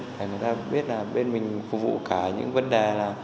để người ta biết là bên mình phục vụ cả những vấn đề là